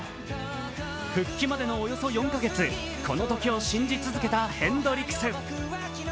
復帰までのおよそ４か月、このときを信じ続けたヘンドリクス。